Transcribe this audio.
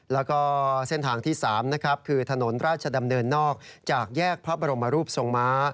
แล้วก็เส้นทางที่๓นะครับคือถนนราชดำเนินนอกจากแยกพระบรมรูปทรงม้า